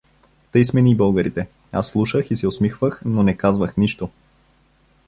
Тъй сме ний българите… Аз слушах и се усмихвах, но не казвах нищо.